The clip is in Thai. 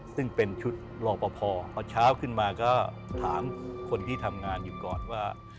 ซึ่งเป็นชุดรอปภพอเช้าขึ้นมาก็ถามคนที่ทำงานอยู่ก่อนว่า